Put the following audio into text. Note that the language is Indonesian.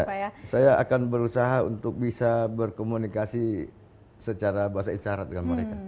saya akan berusaha untuk bisa berkomunikasi secara bahasa isyarat dengan mereka